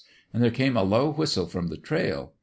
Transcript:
An' there came a low whistle from the trail.